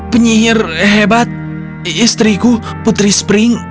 penyihir hebat istriku putri spring